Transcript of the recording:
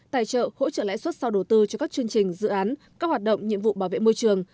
tài trợ hỗ trợ lãi suất sau đầu tư cho các chương trình dự án các hoạt động nhiệm vụ bảo vệ môi trường